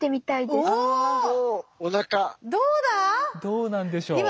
どうなんでしょう？